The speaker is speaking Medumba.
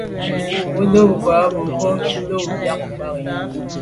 Bo num ngù mebwô num miag mage.